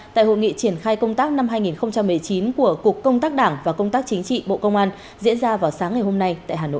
tại hội nghị triển khai công tác năm hai nghìn một mươi chín của cục công tác đảng và công tác chính trị bộ công an diễn ra vào sáng ngày hôm nay tại hà nội